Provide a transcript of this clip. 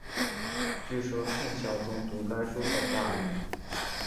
据说宋孝宗读该书后大悦。